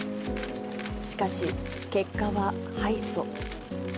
しかし、結果は敗訴。